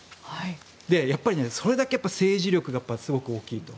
やっぱりそれだけ政治力がすごく大きいと。